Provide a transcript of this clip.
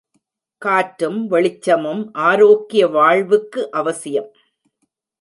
காற்றும் வெளிச்சமும் ஆரோக்கிய வாழ்வுக்கு அவசியம்.